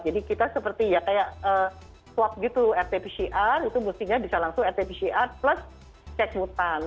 jadi kita seperti ya kayak swab gitu rt pcr itu mestinya bisa langsung rt pcr plus check mutan